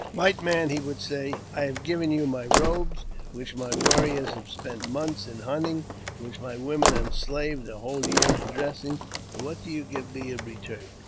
White man," he would say, I have given you my robes, which my warriors have spent months in hunting, and which my women have slaved a whole year in dressing ; and what do you give me in return